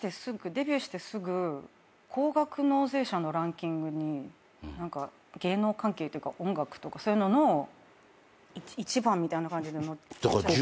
デビューしてすぐ高額納税者のランキングに芸能関係っていうか音楽とかそういうのの一番みたいな感じで出ちゃって。